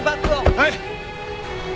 はい。